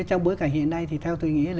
trong bối cảnh hiện nay thì theo tôi nghĩ